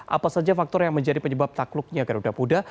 apa saja faktor yang menjadi penyebab takluknya garuda muda